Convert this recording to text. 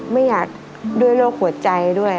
ไม่อยากด้วยโรคหัวใจด้วย